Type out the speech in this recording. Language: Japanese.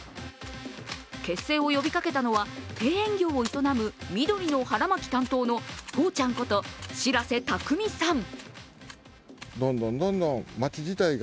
結成を呼びかけたのは庭園業を営む、緑の腹巻き担当のとーちゃんこと、白瀬琢臣さん。